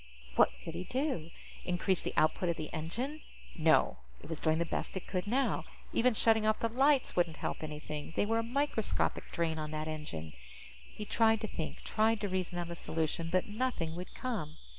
What could he do? Increase the output of the engine? No. It was doing the best it could now. Even shutting off the lights wouldn't help anything; they were a microscopic drain on that engine. He tried to think, tried to reason out a solution, but nothing would come.